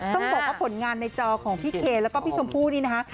ต้องบอกว่าผลงานในจอของพี่เคแล้วก็พี่ชมพู่นี่นะคะ